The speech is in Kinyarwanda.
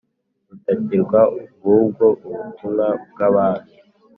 rutakirwa , ngubwo ubutumwa bw'abami,